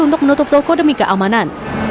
untuk menutup toko demi keamanan